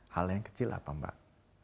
hal yang kecil apa mbak